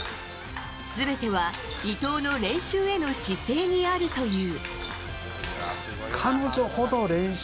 全ては伊藤の練習への姿勢にあるという。